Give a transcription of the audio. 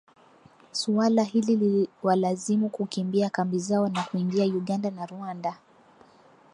Suala hili liliwalazimu kukimbia kambi zao na kuingia Uganda na Rwanda